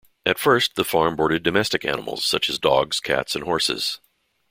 At first, the farm boarded domestic animals such as dogs, cats, and horses.